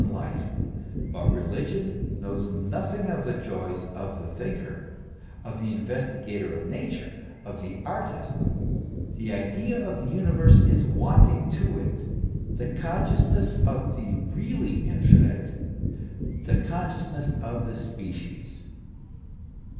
195 intellectual pleasures of life; but religion knows nothing of the joys of the thinker, of the investigator of Nature, of the artist. The idea of the universe is wanting to it, the con sciousness of the really infinite, the consciousness of the species.